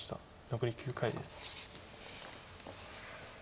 残り９回です。